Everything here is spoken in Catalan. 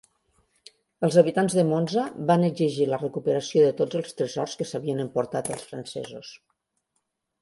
Els habitants de Monza van exigir la recuperació de tots els tresors que s'havien emportat els francesos.